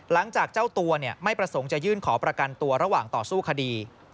หลังจากเจ้าตัวไม่ประสงค์จะยื่นขอประกันตัวระหว่างต่อสู้คดี